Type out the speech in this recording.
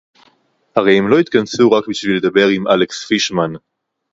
הרי הם לא התכנסו רק בשביל לדבר עם אלכס פישמן